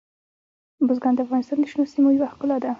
بزګان د افغانستان د شنو سیمو یوه ښکلا ده.